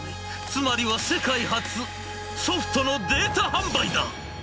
つまりは世界初ソフトのデータ販売だ！」。